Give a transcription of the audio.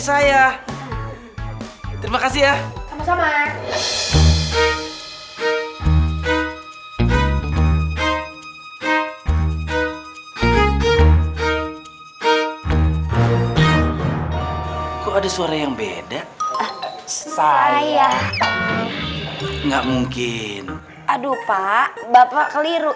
saya terima kasih ya sama sama kok ada suara yang beda saya nggak mungkin aduh pak bapak keliru